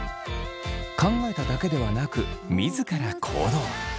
考えただけではなく自ら行動。